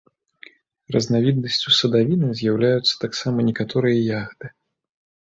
Разнавіднасцю садавіны з'яўляюцца таксама некаторыя ягады.